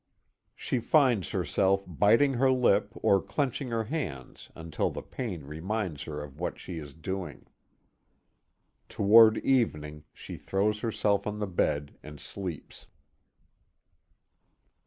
She finds herself biting her lip or clenching her hands until the pain reminds her of what she is doing. Toward evening, she throws herself on the bed and sleeps.